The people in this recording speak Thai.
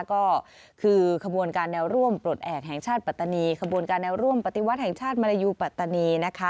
ก็คือขบวนการแนวร่วมปลดแอบแห่งชาติปัตตานีขบวนการแนวร่วมปฏิวัติแห่งชาติมารยูปัตตานีนะคะ